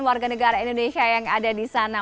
warga negara indonesia yang ada di sana